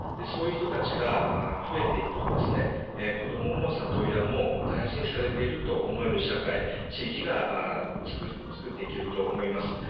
そういう人たちが増えていくと子どもも里親も大事にされていると思える社会地域を作っていけると思います。